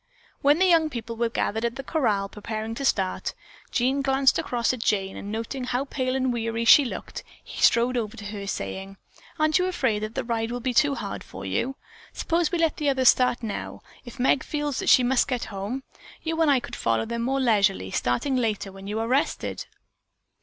When the young people were gathered at the corral, preparing to start, Jean glanced across at Jane and noting how pale and weary she looked, he strode over to her, saying: "Aren't you afraid the ride will be too hard for you? Suppose we let the others start now, if Meg feels that she must get home. You and I could follow them more leisurely, starting later, when you are rested."